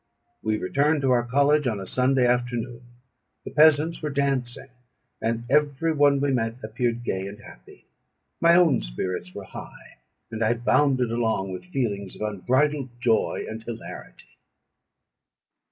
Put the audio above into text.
We returned to our college on a Sunday afternoon: the peasants were dancing, and every one we met appeared gay and happy. My own spirits were high, and I bounded along with feelings of unbridled joy and hilarity.